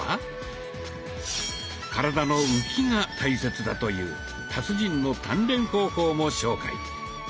体の「浮き」が大切だという達人の鍛錬方法も紹介。